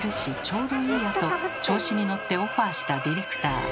ちょうどいいやと調子に乗ってオファーしたディレクター。